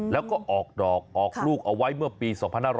แล้วก็ออกดอกออกลูกเอาไว้เมื่อปี๒๕๕๙